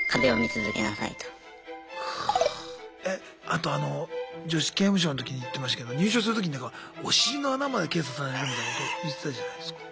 あとあの女子刑務所の時に言ってましたけど入所するときにほらお尻の穴まで検査されるみたいなこと言ってたじゃないすか。